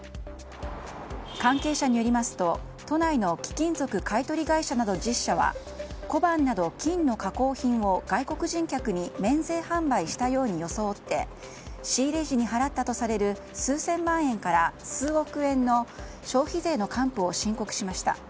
関係者によりますと、都内の貴金属買い取り会社など１０社は小判など金の加工品を外国人客に免税販売したように装って仕入れ時に払ったとされる数千万円から数億円の消費税の還付を申告しました。